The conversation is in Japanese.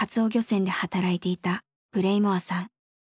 船で働いていたブレイモアさん。